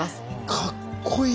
かっこいい。